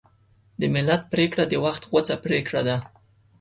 د ملت پرېکړه د وخت غوڅه پرېکړه ده.